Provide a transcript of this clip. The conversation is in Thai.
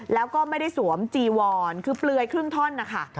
แล้วก็ไม่ได้สวมจีวอนคือเปลือยครึ่งท่อนนะคะ